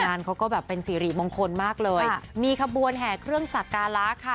งานเขาก็แบบเป็นสิริมงคลมากเลยมีขบวนแห่เครื่องสักการะค่ะ